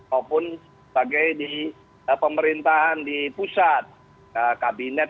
maupun sebagai di pemerintahan di pusat kabinet